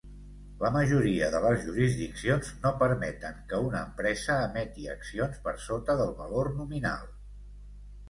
La majoria de les jurisdiccions no permeten que una empresa emeti accions per sota del valor nominal.